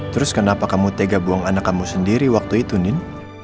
terus kenapa kamu tega buang anak kamu sendiri waktu itu nin